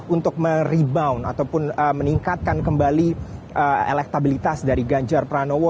untuk merebound ataupun meningkatkan kembali elektabilitas dari ganjar pranowo